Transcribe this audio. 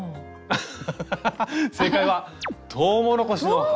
アハハハッ正解は「トウモロコシの花」。